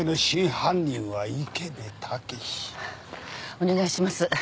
お願いします。